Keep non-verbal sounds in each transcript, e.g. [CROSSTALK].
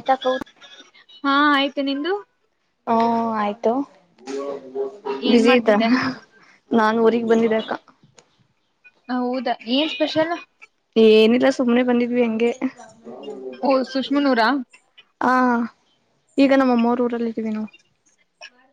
ಆತಾ ಕೌನ್ ನಿು ಹ್ಮ ಆಯ್ತು ಏನ್ ಬಸಿ ಐತ್ರ ಮಾಡ್ತಿದ್ದೆ ನಾಾನನ್ ಊಗ್ ಬಂದಿದೆ ಅಕ್ಕ ಹ ಹೌದಾ ಏನ್ ಸ್ಪೆಷಲ್ ಎಲ್ಲ ಸುಮ್ನೆ ಬಂದಿದ್ವಿ ಹೆಂಗೆ ಓ ಸುಷ್ಮನ್ೂರಾ ಹ ಈಗ ನಮ್ಮಮ್ಮೋರ ಊರಲ್ಲಿ ಇದಿದ್ದೀವಿ ನಾವು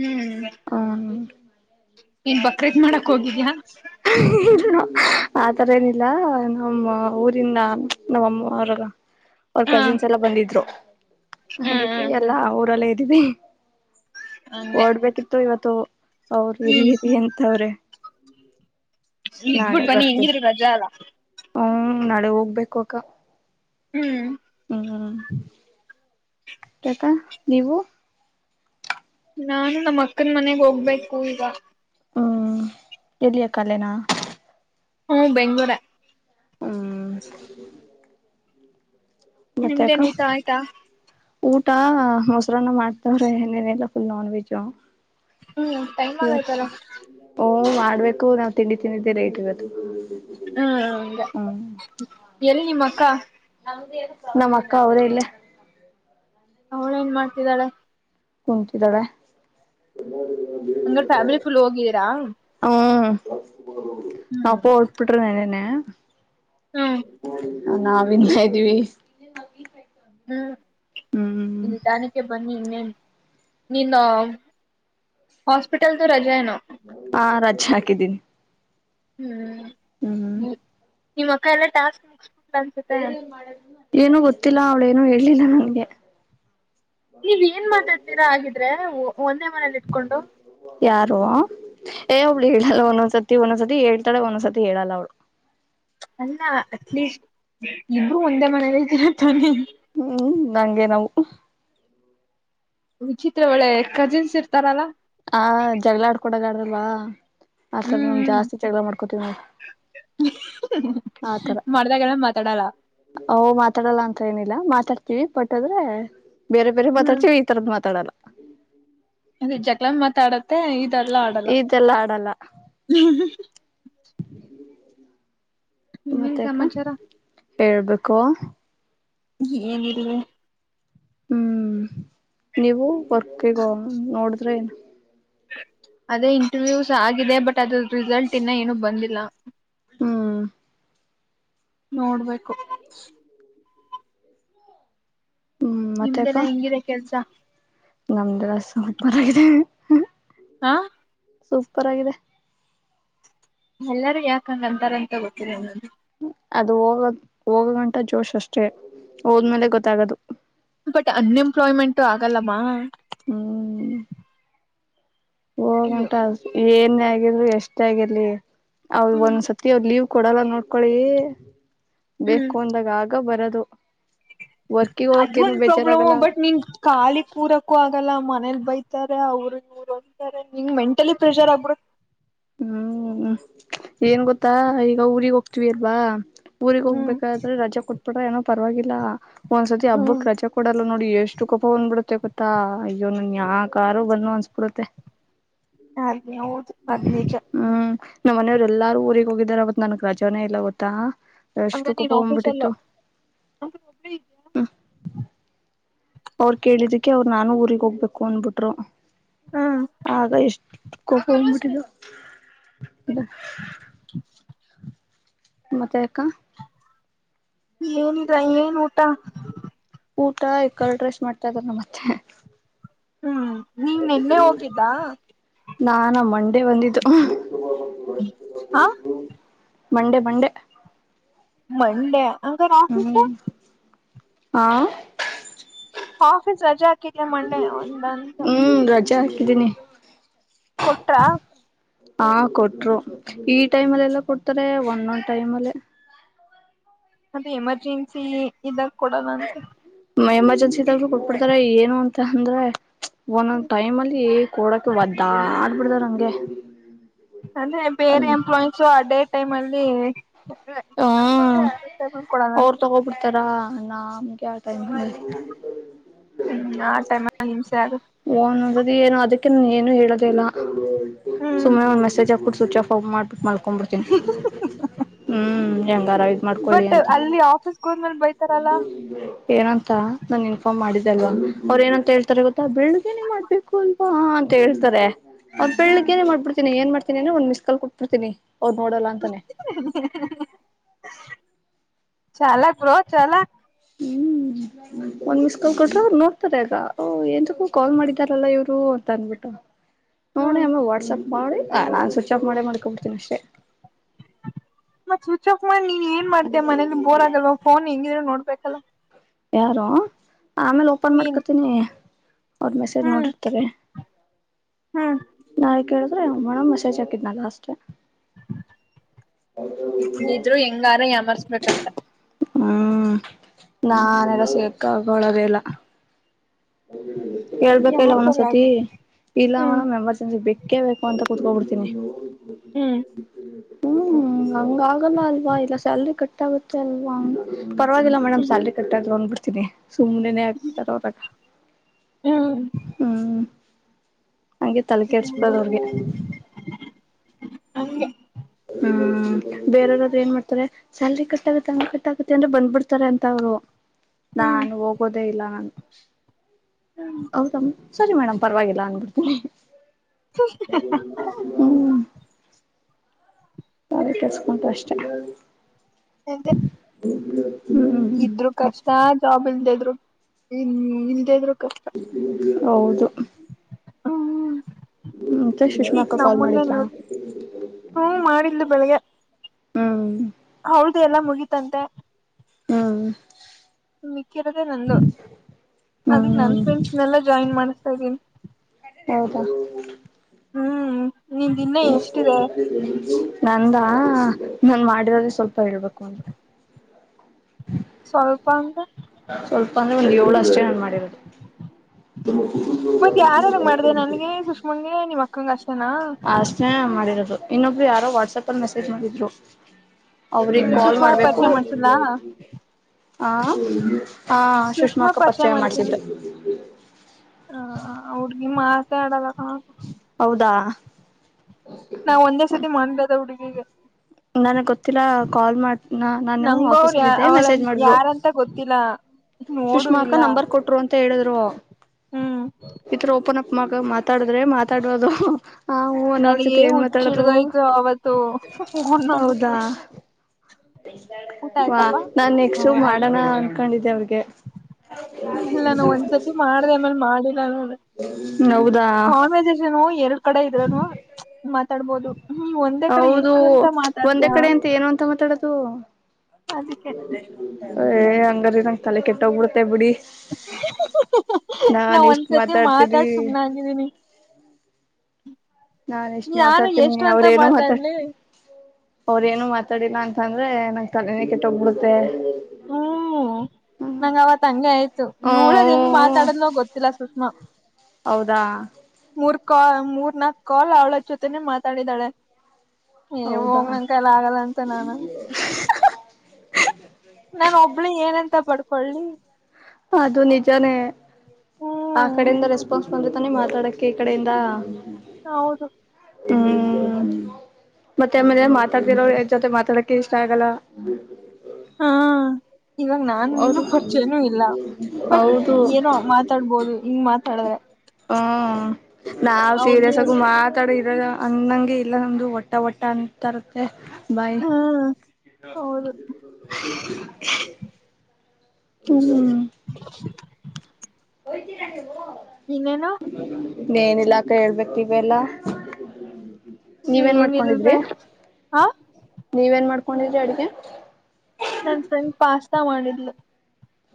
ಹ್ಮ್ ನೀಏನ್ ಬಕ್ರೀದ್ ಮಾಡಕ್ ಹೋಗಿದಯ ಹ ಆತರ ಏನಿಲ್ಲ ನಮ್ಮ ಊರಿಂದ ನಮ್ಮ ಅಮ್ಮವ್ರಲ್ಲ ಅವ್ರ ಹ್ಮ್ ಕಸಿನ್ಸ್ ಎಲ್ಲ ಬಂದಿದ್ರು ಅದಕ್ಕೆ ಹ್ಮ್ ಎಲ್ಲಾ ಅವರಲ್ಲೇ ಇದ ಹಂಗೆ ಓಡ್ಬೇಕಿತ್ತು ಇವತ್ತು ಅವರು ಇರಿ ಹ್ಮ್ ಇರಿ ಅಂತ ಇದಗ್ಬಿಟ್ಟ ನಾಳೆ ಬನ್ನಿ ಬರ್ತೀವಿ ಹೆಂಗಿದ್ರರು ರಜಾ ಅಲ್ಲಾ ಹ್ಮ ನಾಳೆ ಹೋಗ್ಬೇಕು ಅಗ ಹ್ಮ್ ಹ್ಮ್ ಕೇಕಾ ನೀವು ನಾನು ನಮ್ಮ ಅಕ್ಕನ್ ಮನೆಗ್ ಹೋಗ್ಬೇಕು ಈಗ ಹ್ಮ್ ಎಲ್ಲಿಿಯ ಕಾಲೆನಾ ಹ್ಮ ಬೆಂಗ್ಗಳೂರ ಹ್ಮ ನಿಮ್ದೇನು ತ ಆಯ್ತಾ ಊಟ ಮೊಸರನ್ನ ಮಾಡ್ತವ್ರೆ ನೀನೆಲ್ಲ ಫುಲ್ ನಾನ್ ವೆಜು ಹ್ಮ್ ಟೈಮ್ ಆಗೈತಲ್ಲ ಇತ್ತು ಮಾಡ್ಬೇಕು ನಾವು ತಿಂಡಿ ತಿಂದಿದ್ದೆ ರೇಟ್ ಇರದು ಹ್ಮ ಹೌದ ಎಲ್ಲಿ ನಿಮ್ಮ ಅಕ್ಕ ನಮ್ಮ ಅಕ್ಕ ಅವರೇ ಇಲ್ಲ ಅವಳ ಏನ್ ಮಾಡ್ತಿದ್ದಾಳೆ ಕುಂಚಿದಳ ಅಂಗ್ರ ಫ್ಯಾಮಿಲಿ ಫುಲ್ ಹೋಗೀರಾ ನಾಪ್ಪ ಉಳ್ಪಿಟ್ಟರನೆೆನೆನ್ನೆ ಹ್ಮ್ ನಾ ವಿಂತ ಇದ್ದೀವಿ ಹ್ಮ್ ಇಲ್ಲಿ ತಾನಕ್ಕೆ ಬ ನಿನ್ನ ಹಾಸ್ಪಿಟಲ್ ತ ರಜೆಯನ ಹಾ ರಜೆ ಹಾಕಿದ್ದೀನಿ ಹ್ಮ್ ಹ್ಮ್ ನಿಮ್ಮ ಅಕ್ಕ ಎಲ್ಲ ಟಾಸ್ಕ್ ಮು ಏನುೂ ಗೊತ್ತಿಲ್ಲ ಅವ್ಳೇನುೂ ಹೇಲಿಲ್ಲ ನಂಗೆ ನೀವ್ ಏನ್ ಮಾತಾತೀರಾ ಹಾಗಗಿದ್ರೆ ಯಾರ ಏ್ ಅವಬ್ಳು ಹೇಳಲ್ಲ ಒಂದೊಂದ್ ಸತಿ ಒಂದ್ಸತಿ ಹೇಳ್ತಾಳ ಒಂದೊಂದ್ಸತಿ ಹೇಳಲ್ಲ ಅವ್ಳು ಅಲ್ಲ ಅಟ್ಲೀಸ್ಟ್ ಇಬ್ರು ಒಂದೇ ಮನೇಲಿ್ದರ ತ ಹ್ಮ್ ನಂಗೆ ನಾವು ವಿಚಿತ್ರ ಒಳ್ಳೆ ಕಜಿನ್ಸ್ ಇರ್ತಾರಲ್ಲಾ ಆ ಜಗಳಾಡ್ಕಡಗ ಆಡ್ರಲ್ವಾ ಆಥರ ಹ್ಮ್ ನಮ ಜಾಸ್ತಿ ಚಗಳ ಮಾಡ್ಕೋತಿವಿ ನಾವ ಮಾಡ್ದಾಗಣ ಮಾತಾಡಲ್ಲ ಮತ್ತ ಏನಿಲ್ಲ ಮಾತಾಡ್ತಿೀವಿ ಪಟ್ಟದ್ರೆ ಬೇರೆ ಬೇರೆ ಮಾತಾಡ್ತೀವಿ ಈ ತರದ ಮಾತಾಡಲ್ಲ ಅದೇ ಜಕ್ಲಂಗ ಮಾತಾಡತ್ತೆ ಇದಲ್ಲ ಆಡಲ್ಲ ಇದೆಲ್ಲ ಆಡಲ್ಲ ಹನ್ನ ಮತ್ತೆಕ್ಕ ಸಮಮಾಚಾರ ಹೇಳ್ಬೇಕು ಏನಿದ ಹ್ಮ್ ನೀವು ವರ್ಕ್ಗ ನೋಡಿದ್ರೆ ಏನು ಅದೇ ಇಂಟರ್ವ್ಯೂಸ್ ಆಗಿದೆ ಬಟ್ ಅದ್ರ ರಿಸಲ್ಟ್ ಇನ್ನ ಏನುೂ ಬಂದಿಲ್ಲ ಹ್ಮ ನೋಡ್ಬೇಕು ಹ್ಮ್ ನಿಮ್ದಲ್ಲಾ ಹೆಂಗಿದೆ ಕೆಲ್ಸ ನಮ್ದು ಸೂಪರ್ ಆಗಿದೆ ಹಾ ಸೂಪರ್ ಆಗಿದೆ ಎಲ್ಲಾರೂ ಯಾಕಂಗ ಅಂತಾರಂತ ಗೊತ್ತಿರನ್ನದು ಅದು ಹೋಗದ ಹೋಗ ಗಂಟ ಜೋಶ್ ಅಷ್ಟೇ ಹೋದ್ಮೇಲೆ ಗೊತ್ತಾಗದು ಬಟ್ ಅನ್ಎಂಪ್ಲಾಯ್ಮೆಂಟ್ ಆಗಲ್ಲಮ್ಮ ಹ್ಮ ಅಯ್ಯೋ ಹೋಗಂಟ ಏನ್ ಆಗಿದ್ರು ಎಷ್ಟ ಆಗಿರ್ಲಿ ಅವ್ರ ಹ್ಮ್ ಒಂದ್ಸತಿ ಅವ್ರ ಲೀವ್ ಕೊಡಲ್ಲ ನೋಡ್ಕೊಳ್ಳಿ ಹ್ಮ್ ಬೇಕು ಅಂದಾಗ ಆಗ ಬರದು ಅದದು ಒಂದ ಪ್ರಾಬ್ಲಮ ಬಟ್ ನೀನ್ ಕಖಾಲಿ ಕೂರಕೂ ಆಗಲ್ಲ ಮನೇಲಿ ಬೈತ ಅವರು ಇವರು ಒಂತಾರೆ ನಿಂಗ್ ಮೆಂಟಲಿ ಪ್ರೆಷರ್ ಆಗ್ಬಿಡ ಹ್ಮ್ ಏನ್ ಗೊತ್ತಾ ಈಗ ಊಗ್ ಹೋಗ್ತವಿ ಅಲ್ವಾ ಊರಿಗೆಗ್ ಹ್ಮ್ ಹೋಗ್ಬೇಕಾದ್ರೆ ರಜಾ ಕೊಟ್ಬಿಟ್ರ ಏನೋ ಪರವಾಗಿಲ್ಲ ಒಂದ್ಸರ್ತಿ ಹ್ಮ್ ಹಬ್ಬಕ್ ರಜೆ ಕೊಡಲ್ಲ ನೋ ನೋಡಿ ಎಷ್ಟು ಕೋಪ ಹೊಂದ್ಬಿಡುತ್ತೆ ಗೊತ್ತಾ ಅಯ್ಯೋನುನ್ ಯಾಕ್ಾರು ಬಂದು ಅನ್ಸ್ಬಿಡುತ್ತೆ ಹಾಗ ದು ಅದಲಿ ನಮ್ಮ್ನೆಯವ್ ಎಲ್ಲಾರು ಊರಿಗೆ ಹೋಗಾರ ಅವವತ್ ನನಗ್ ರಜಾನೇ ಇಲ್ಲ ಗೊತ್ತಾ ಹಂಗ ರಷ್ಟಕ್ಕೆ ನೀನ್ ಆಫೀಸಲ್ಲ ಪವಬಟ್ಟಿಟ್ಟು ಒಬ್ಳೆ ಇದ್ಯಾ? ಹ್ಮ ಅವರು ಕೇಳಿದಕ್ಕೆ ಅವರು ನಾನು ಊಗ್ ಹೋಗ್ಬೇಕು ಅನ್ಬಿಟ್ರು ಹ್ಮ್ ಆಗ ಎಷ್ಟ ಕಕ ಮತ್ತೆ ಅಕ್ಕ ಏನಿದ್ರಾ ಏನ್ ಊಟ ಊಟ ಎ ಕಲ್ ಡ್ರೆಸ್ ಮಾಡ್ತಾ ಇದ್ರ ನ ಮತ್ತೆ ಹ್ಮ್ ನೀನ್ ನಿನ್ನೆ ಹೋಗಿದ್ದಾ ನಾಾನಮ್ಮ ಮಂಡೆ ಬಂದಿದ್ದು ಹಾ ಮಂಡೇ ಮಂಡೇ ಮಂಡೇ ಅಂತ ಆಫೀಸ್ ಹ್ಮ್ ಹಾ ಹಾಫಿಸ್ ರಜಾ ಹ್ಮ್ ರಜೆ ಹಾಕಿದ್ದೀನಿ ಕೊಟ್ರಾ ಹಾ ಕೊಟ್ರು ಈ ಟೈಮ್ಲ್ಲಿ ಎಲ್ಲ ಕೊಡ್ತಾರೆ ಒಂದೊಂದ್ ಟೈಮ್ಲ್ಲಿ ಮತ್ತೆ ಎಮರ್ಜೆನ್ಸಿ ಇದಾಗ ಕೊಡಲ್ಲ ಅನ್ಸ ಎಮರ್ಜೆನ್ಸಿ ಇದಾಗರು ಕೊಟ್ಬಿಡ್ತಾರ ಏನು ಅಂತ ಅಂದ್ರೆ ಒಂದೊಂದ್ ಟೈಮ್ ಅಲ್ಲಿ ಕೊಡಕ ಒದ್ದ ಆಡ್ಬಿಡ್ದಾರ ನಂಗೆ ಅದೇ ಬೇರೆ ಎಂಪ್ಲಾಯೀಸು ಅದೇ ಟೈಮ್ ಅಲ್ಲಿ ಹ್ಮ ಕೊಡಲ್ಲ ಅವರು ಅನ್ಸುತ್ತೆ ತಗೋಬಿಡ್ತಾರ ನಮ್ಗೆ ಹ್ಮ್ ಆ ಟೈಮ್ ಅಲ್ಲಿ ಹಿಂಸೆ ಆಗುತ್ತೆ [UNINTELLIGIBLE] ಏ ಅದಕ್ಕ ಏನು ಹೇಳ ಲ್ಲ ಹ್ಮ್ ಸುಮ್ಮನೆ ಒಂದ್ ಮೆಸೇಜ್ ಹಾಕ್ಬಿಟ್ಟು ಸ್ವಿಚ್ ಆಫ್ಫರ್ ಮಾಡಬಟ್ಟು ಮಾಡ್ಕ್ಬ ಬಿಡ್ತೀನಿ ಹ್ಮ್ ಹೆಂಗಾರ ಇದ ಮಾಡ್ಕೊಳ್ಳಿ ಬಟ್ ಅಂತ ಅಲ್ಲಿ ಆಫೀಸ್ಗೆ ಹೋದ್ಮೇಲೆ ಬೈತಾರಲ್ಲ ಏನಂತ ನಾನ ಇನ್ಫಾರ್ಮ್ ಮಾಡಿದ್ದಲ್ವಾ ಅವ್ ಏನಂತ ಹೇಳ್ತಾರೆ ಗೊತ್ತ ಬೆಳಿಗ್ಗೆನೇ ಮಾಡ್ಬೇಕು ಅಲ್ವಾ ಅಂತ ಹೇಳ್ತಾರೆ ಆ ಹ್ಮ್ ಬೆಳಿಗ್ನೆೇ ಮಾಡ್ಬಿಡ್ತೀನಿ ಏನ್ ಮಾಡ್ತ ಒಂದ್ ಮಿಸ್ ಕಲ್ ಕೊಟ್ ಬಿಿಡ್ತನಿ ಅವ್ರು ನೋಡಲ್ಲ ಅಂತಾನೆ ಚಾಲ ಪ್ರೋ ಚಲ ಹ್ಮ್ ಒಂದ್ ಮಿಸ್ ಕಾಲ್ ಕೊಟ್ರೆ ಅವ್ರು ನೋಡ್ತಾರೆ ಆಗ ಎಂದಕ್ಕೂ ಕಾಲ್ ಮಾಡಿದಾರಲ್ಲ ಇವ್ರು ಅಂತ ಅನ್ಬಿಟ್ಟು ಹನ ಹ್ಮ್ ಅಮ್ಮ ವಾಟ್ಸಪ್ ಮಾಡಿ ನಾನ್ ಸ್ವಿಚ್ ಆಫ್ ಮಾಡೇ ಮಾಡ್ಕೊಬಡ್ತೀನಿ ಅಷ್ಟೆ ಮತ್ ಸ್ವಿಚ್ ಆಫ್ ಮಾಡಿ ನೀನ್ ಏನ್ ಮಾಡ್ತೆ ಮನೇಲಿ ಬೋರ್ ಆಗಲ್ವ ಫೋನ್ ಹೆಂಗಿದ್ರೆ ನೋಡ್ಬೇಕಲ್ಲ ಯಾರು ಆಮೇಲೆ ಓಪನ್ ನೀನ್ ಮಾಡ್ಕೊತೀನಿ ಅವ್ರ ಮೆಸೇಜ್ ಹ್ಮ್ ನೋಡಿಿರ್ತಾರೆ ಹ್ಮ್ ನ ಕೇಳಿದ್ರೆ ಮಣ ಮಸೇಜ್ಾಕಿದ್ನ ಲ ಅಸ್ೆ ಹೆಂಗಿದ್ರು ಹೆಂಗಾರ ಯ ಮರ್ಸ್ಬೇಕಂತ ಹ್ಮ್ ನಾನೆಲ್ಲ ಸಿಗಕ್ಕಗಳದೆಲ್ಲ ಹೇಳ್ಬೇಕ ಇಲ್ಲ ಯಾರ್ ಅವನ ಸತಿ ಕೈಲಾಗ್ ಇಲ್ಲ ಹ್ಮ್ ಮಣಮ್ ಎಮರ್ಜೆನ್ಸಿ ಬೆೇಕೇ ಬೇಕು ಅಂತ ಕುೂತ್ಕೊಬಿಡ್ತೀನಿ ಹ್ಮ್ ಹ್ಮ್ ಹಂಗ ಆಗಲ್ಲ ಅಲ್ವಾ ಇಲ್ಲ ಸ್ಯಾಲ್ರಿ ಕಟ್ಾಗುತ್ತೆ ಅಲ್ವಾ ಹಂಗ ಪರವಾಗಿಲ್ಲ ಮೇಡಮ್ ಹ್ಮ್ ಸ್ಯಾಲ್ರಿ ಕಟ್ ಆದ್ ಅಂದ್ ಬಿಡ್ತೀನಿ ಸುಮ್ಮನೆ ಆಗ್ಬತಾರ ಅವರಾಗ ಹ್ಮ ಹ್ಮ್ ಹಾಗೆ ತಲೆ ಕೆಡ್ಸ್ಬಿಡದ ಅವ್ರಿಗೆ ಹ ಹ್ಮ್ ಬೇರೆಯವ್ರಾದರು ನ್ ಮಾಡ್ತಾರೆ ಸ್ಯಾಲ್ರಿ ಕಟ್ಾಗುತ್ತೆ ಅಂಗ ಕಟ್ಾಗತ್ತೆ ಅಂದ್ರೆ ಬಂದ್ಬಿಡ್ತಾರೆ ಅಂತ ಹ್ಮ್ ನಾನು ಹೋಗೋದೇ ಇಲ್ಲ ನಾನು ಹೌದ ಸರಿ ಮೇಡಮ್ ಪರವಾಗಿಲ್ಲ ಅನ್ಬಿಡ್ತೀನಿ ಹ ಬಾರಿ ಕೆಸ್ಕೊಟು ಅಷ್ಟೆ ಎಗೆ ಹ ಇದ್ರು ಕಷ್ಟ ಜಾಬ್ ಇಲ್ದ ಇದ್ರು ಇಲ್ದ ಇದ್ರು ಕಷ್ಟ ಹೌದು ಹ್ಮ ಮತ್ತೆ ಸುಷ್ಮಾ ಈಗ ಅಕ್ಕ ಕಾಲ್ ನಮ್ಮನ್ನೆ ಮಾಡಿದ್ರಾ ನೋಡಿ ಹ್ಮ ಮಾಡಿದಲು ಬೆಳಿಗ್ ಹ್ಮ್ ಹೌದು ಎಲ್ಲ ಮುಗೀಿತಂತೆ ಹ್ಮ ಮಕ್ಕರದೇ ನಂದು ಅಕ್ಕೆ ಹ್ಮ್ ನನ್ನ ಫ್ರೆಂಡ್ಸ್ನೆಲ್ಲ ಜಾಯಿನ್ ಮಾಡಿಸ್ತಾ ಇದ್ದೀನಿ ಹೌದಾ ನಿಂದ ಇನ್ನ ಎಷ್ಟಿದೆ ನಂದಾ ನನ್ ಮಾಡ ೆ ಸ್ವಲ್ಪ ಹೇಳ್ಬೇಕು ಉಟ ಸ್ವಲ್ಪ ಅಂದ್ರ ಒಂದೊಂದ ಏಳುಷ್ಟೇನ್ ಮಾಡಿ [INAUDIBLE] ಮತ್ ಯಾರಾರ ಮಾಡ್ದ ನನ್ಗೆ ಸುಷ್ಮನ್ಗೆ ನಿಮ್ ಅಕ್ಕಂಗ ಅಷ್ಟೇನಾ ಅಷ್ಟೇ ಮಾಡಿರೋದು ಇನ್ನೊಬ್ರು ಯಾರೋ ವಾಟ್ಸಪ್ ಅಲ್ಲಿ ಮೆಸೇಜ್ ಮಾಡಿದ್ರು ಅವ್ರಗ್ ಹ್ಮ್ ಬಾಲ್ ಸುಷ್ಮಾ ಮಾಡ್ಬೇಕು ಪರಿಚಯ ಮಾಡ್ಸಿಲ್ಲ ಹ ಹಾ ಸುಷ್ಮಾ ಸುಷ್ಮಾಕ್ಕ ಪರಿಚಯ ಮಾಡ್ಸಿದ್ದು ಹಾ ಹ ಮಾ ಅಡ ಹೌದಾ ನಾವ ಒಂದೇ ಸರ್ತಿ ಮಾಡಲದ ಹುಡ್ಗಿಗೆ ನನಗ್ ಗೊತ್ತಿಲ್ಲ ಕಾಲ್ ಮಾಡ ನಾನ ನಂಗೋ ಅವ್ರ ಆಫೀಸಲ್ಲಿಿದ್ದೆ ಅವಳ ಮೆಸೇಜ್ ಮಾಡಿದ್ರು ಯಾರಂತ ಗೊತ್ತಿಲ್ಲ ನೋಡು ಸುಷ್ಮಾ ಅಕ ಇಲ್ಲ ನಂಬರ್ ಕೊಟ್ರು ಅಂತ ಹೇಳಿದ್ರು ಹ್ಮ್ ಈ ಓಪನ್ ಅಪ್ ಮಗ ಮಾತಾಡಿದ್ರೆ ಮಾತಾಡೋದು ಹ ಹೂವನ್ ಅವ್ರ ನನಗೆ ಜೊತೆ ಏನ್ ಮಾತಾಡಿದ್ರು ಹುಚ್ಚಿಡ್ದೋಯ್ತು ಅವತ್ತು ಫೋನ್ ಮಾಡ್ಬಿಟ್ಟು ಹೌದಾ ಊಟ ಹಾ ಆಯ್ತಪಾ ನಾನ್ ನೆಕ್ಸ್ಟ್ ಮಾಡೋಣ ಅನ್ಕೊಂಡಿದ್ದೆ ಅವ್ರಿಗೆ. ಹ ಇ ನಾನು ಒಂದ್ಸತಿ ಮಾಡ್ದ ಆಮೇಲೆ ಮಾಡಿಲ್ಲ ನಾನು. ಹೌದಾ ಹ ಎರಡು ಕಡೆ ಇದ್ರನು. ಮಾತಾಡ್ಬೋದು ಒಂದೇ ಕಡೆ ಹೌದು ಎಷ್ಟು ಅಂತ ಮಾತಾಡ್ತಯ. ಒಂದೇ ಕಡೆ ಹಂಗಾರೆ ನಂಗ್ ತಲೆ ಕೆಟ್ಟೋಗ್ಬಡು ತ್ತೆ ಬುಡಿ. ನಾ ನಾನ್ ಇಷ್ಟ ಒಂದ್ಸತಿ ಮಾತಾಡ್ತೀನಿ. ಮಾತಾಡ್ ಸುಮ್ನೆ ಆಗಿದ್ದೀನಿ ನಾಾನ ಇಷ್ಟು ನಾನು ಮಾತಾಡ್ತೇನಿ ಎಷ್ಟು ಅಂತ ಅವ್ರೇನೋ ಮಾತಾಡ್ ಮಾತಾಡ್ಲಿ ಅವ್ರ ಏನು ಮಾತಾಡಿಲ್ಲ ಅಂತ ಅಂದ್ರೆ ನಂಗ್ ತಲೆನೆ ಕೆಟ್ಟೋಗ್ಬಿಡುತ್ತೆ ಹ್ಮ ಹ್ಮ್ ನಂಗ ಅವ ತಂಗಗೆ ಆಯ್ತು ಹ್ಮ್ ಇವಳದ್ ಹೆಂಗ್ ಹ್ಮ್ ಮಾತಾಡದ್ನ ಗೊತ್ತಿಲ್ಲ ಸುಷ್ಮಾ. ಹೌದಾ ಮೂರ್ ಕಾ ಮೂರ್ ನಾಕ್ ಕಾಲ್ ಅವಳ ಜೊತೆನೆ ಮಾತಾಡಿದಾಳೆ. ಏ ಹೋಗ ಹೌದಾ ನಂಕ ಎಲ್ಲ ಆಗಲ್ಲ ಅಂತ ನಾನ ನಾನ ಒಬ್ಲೆ ಏನಂತ ನ. ಅದು ನಿಜಾನೇ ಆ ಹ್ಮ್ ಕಡೆಯಿಂದ ರೆಸ್ಪಾನ್ಸ್. ಬಂದ ತಾನೆ ಮಾತಾಡಕ್ಕೆ ಈ ಕಡೆಯಿಂದ. ಹೌದು ಹ್ಮ್ ಮತ್ತೆ ಆಮೇಲೆ ಮಾತಾಡ್ತಿರೋರು ಜೊತೆ ಮಾತಾಡಕ್ಕೆ ಇಷ್ಟ ಆಗಲ್ಲ. ಹಾ ಇವಾಗ ನಾನು ಇನ್ನ ಹೌದು ಪರಿಚಯನೂ ಇಲ್ಲ ಬಟ್ ಹೌದು ಏನೋ ಮಾತಾಡ್ಬೋದು ಹಿಂಗ್ ಮಾತಾಡ್ರೆ. ಹ್ಮ ನಾವ್ ಸೀರಿಯಸ್ ಆಗು ಮಾತಾಡ ಅನ್ನಂಗೆ ಇಲ್ಲ ನಂದು ಒಟ್ಟ ವಟ್ಟ ಅಂತಂತರುತ್ತೆ. ಬಾಯ್ ಹ್ಮ್ ಹೌದು ಹ್ಮ [INAUDIBLE] [INAUDIBLE] ಇನ್ನೇನು ನಿಲ್ಲಾಕ ಹೇಳ್ಬೇಕ್ ನೀವೆಲ್ಲಾ. ನೀವೇನ್ ಮಾಡ್ಕೊಂಡಿದ್ರಿ ಏನಿಲ್ವೇ ಹ ನೀವೇನ್ ಮಾಡ್ಕೊಂಡಿದ್ರಿ ಅಡ್ಗೆ ನನ್ ಫ್ರೆಂಡ್ ಪಾಸ್ತಾ ಮಾಡಿದ್ಲು.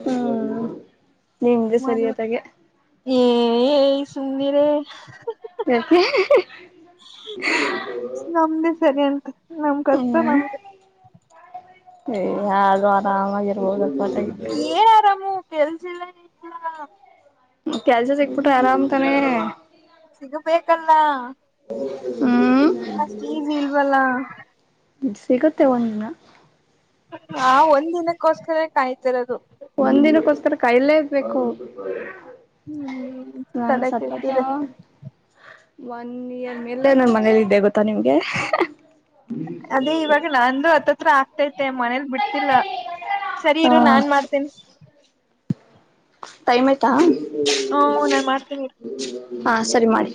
ಹ್ಮ್ ನಿಮ್ದು ಸರಿಯಾದಾಗೆ. ಏಏ ಸಮ್ನಿರೆ ಹ ನಮ್ದೇ [UNINTELLIGIBLE] ಸರಿ ಅಂತ ನಮ್ ಕಷ್ಟ ನಮ್ಗೆ. ಸ ಯಾರದು ಆರಾಮಾಗಿರ್ಬೋದು ಹೊಟ್ಟ. ಏನ್ ಆರಾಮು ಕೆಲ್ಸಿಲ್ಲ ಎನ್ ಮಾಡನ ಕೆಲ್ಸ ಸಿಕ್ಬಿಟ್ರೆ ಆರಾಮ್ ತಾನೇ. ಸಿಗಬೇಕಲ್ಲ ಹ್ಮ್ ಅಷ್ಟು ಈಜಿ ಇಲ್ವಲ್ಲ ಸಿಗುತ್ತೆ ಒಂದಿನ ಹಾ ಒಂದ್ ದಿನಕ್ಕೋಸ್ಕರ ಕಾಯ್ತಿರೋದು. ಒಂದ್ ದಿನಕ್ಕೋಸ್ಕರ ಕಯಲ್ಲೇಬೇಕು ಹ್ಮ್ ನಾನು ತಲೆ ಕೆಟ್ಟಿದೆ [UNINTELLIGIBLE] ಒನ್ ಇಯರ್ ಮೇಲೆ ನಾನ ಮನೇಲಿ ಇದ್ದೆ ಗೊತ್ತಾ ನಿಮ್ಗೆ. ಅದೇ ಇವಾಗ ನಂದು ಹತ್ತತ್ರ ಆಗ್ತಾತ ಮತ್ತೆ ಮನೇಲ್ ಬಿಡ್ತಿಲ್ಲ ಸರಿ ಇರು ಹ ನಾನ್ ಮಾಡ್ತೇನಿ. ಟೈಮ್ ಆಯ್ತಾ ಹ್ಮ ನನ್ ಮಾಡ್ತೇನಿರು ಹಾ ಸರಿ ಮಾಡಿ